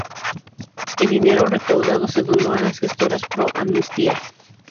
El dinero recaudado se donó a las Gestoras Pro Amnistía.